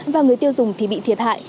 và người tiêu dùng thì bị thiệt hại